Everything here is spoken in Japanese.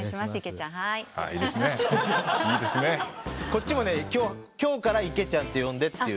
こっちもね今日から池ちゃんって呼んでって。